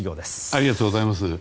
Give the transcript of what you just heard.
ありがとうございます。